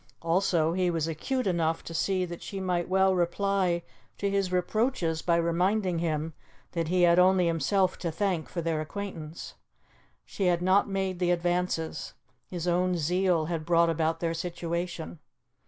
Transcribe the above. Also, he was acute enough to see that she might well reply to his reproaches by reminding him that he had only himself to thank for their acquaintance. She had not made the advances; his own zeal had brought about their situation.